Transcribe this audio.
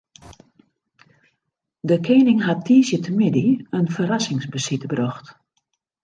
De kening hat tiisdeitemiddei in ferrassingsbesite brocht.